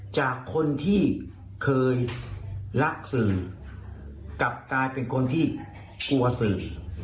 จากคนที่เคยรักสื่อกลับกลายเป็นคนที่กลัวสื่อ